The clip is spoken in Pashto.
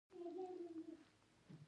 نورستان د افغانستان د زرغونتیا نښه ده.